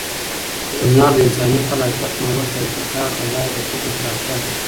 هنر د انساني خلاقیت، نوښت او ابتکار له لارې د فکر پراختیا کوي.